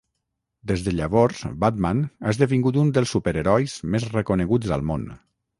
Des de llavors Batman ha esdevingut un dels superherois més reconeguts al món.